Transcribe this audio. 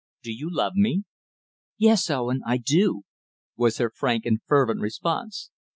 Do you love me?" "Yes, Owen, I do," was her frank and fervent response.